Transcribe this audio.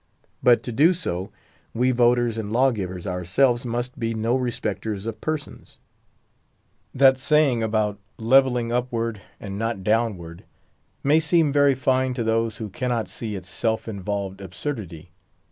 But to do so, we voters and lawgivers ourselves must be no respecters of persons. That saying about levelling upward, and not downward, may seem very fine to those who cannot see its self involved absurdity.